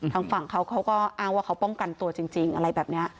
ทางฝั่งเขาเขาก็อ้างว่าเขาป้องกันตัวจริงอะไรแบบนี้